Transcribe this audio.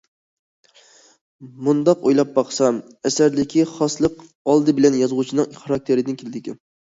مۇنداق ئويلاپ باقسام، ئەسەردىكى خاسلىق ئالدى بىلەن يازغۇچىنىڭ خاراكتېرىدىن كېلىدىكەن.